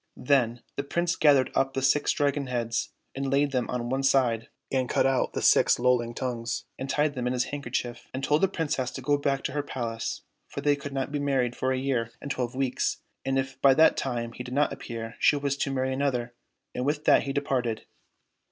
Then the Prince gathered up the six dragon heads and laid them on one side, and cut out the six lolling tongues and tied them in his handkerchief, and told the Princess to go back to her palace, for they could not be married for a year and twelve weeks, and if by that time he did not appear, she was to marry another, and with that he departed.